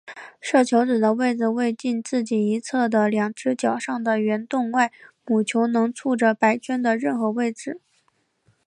射球子的位置为近自己一侧的两只角上的圆洞外母球能触着白圈的任何位置。